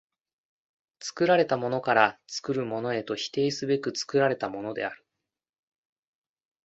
作られたものから作るものへと否定すべく作られたものである。